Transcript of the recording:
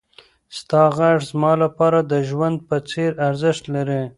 ستا غږ زما لپاره د ژوند په څېر ارزښت لري.